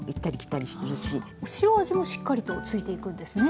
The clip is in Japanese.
塩味もしっかりと付いていくんですね？